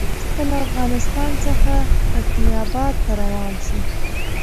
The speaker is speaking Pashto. وروسته له افغانستان څخه تکیناباد ته روان شو.